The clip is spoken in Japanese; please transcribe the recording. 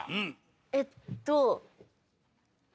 えっと。